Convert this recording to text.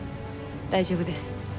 大丈夫です。